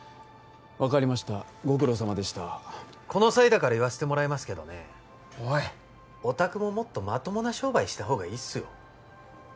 分かりましたご苦労さまでしたこの際だから言わせてもらいますけどねおいっおたくももっとまともな商売した方がいいっすよ